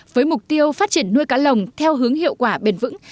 với mục tiêu phát triển nuôi cá lồng theo hướng hiệu quả bền vững